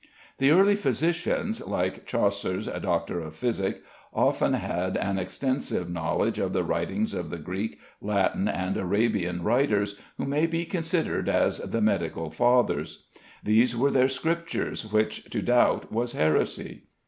The early physicians, like Chaucer's "Doctour of Phisik," often had an extensive knowledge of the writings of the Greek, Latin, and Arabian writers, who may be considered as the medical "fathers." These were their scriptures, which to doubt was heresy.